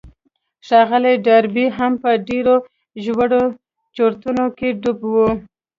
ښاغلی ډاربي هم په ډېرو ژورو چورتونو کې ډوب و.